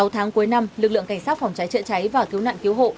sáu tháng cuối năm lực lượng cảnh sát phòng cháy chữa cháy và cứu nạn cứu hộ